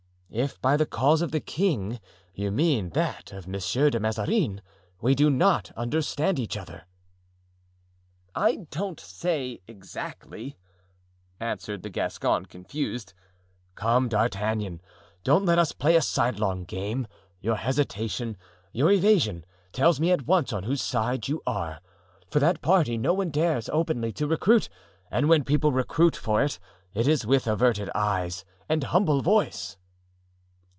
"If by the cause of the king you mean that of Monsieur de Mazarin, we do not understand each other." "I don't say exactly," answered the Gascon, confused. "Come, D'Artagnan, don't let us play a sidelong game; your hesitation, your evasion, tells me at once on whose side you are; for that party no one dares openly to recruit, and when people recruit for it, it is with averted eyes and humble voice."